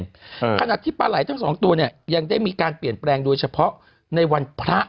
ขณะที่ปลาไหลทั้งสองตัวเนี้ยยังได้มีการเปลี่ยนแปลงโดยเฉพาะในวันพระ